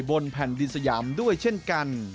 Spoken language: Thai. บนแผ่นดินสยามด้วยเช่นกัน